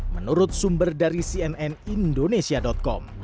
menurut sumber dari cnn indonesia com